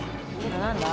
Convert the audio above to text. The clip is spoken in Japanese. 何だ？